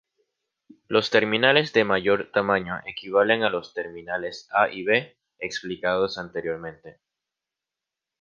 Los terminales de mayor tamaño equivalen a los terminales A y B explicados anteriormente.